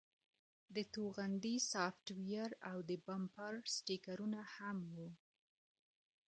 د توغندي سافټویر او د بمپر سټیکرونه هم وو